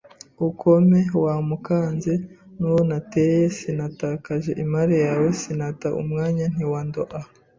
ukome wa Mukanza N’uwo nateye Sinatakaje imare yawe Sinata umwanya Ntiwandoa